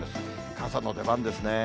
傘の出番ですね。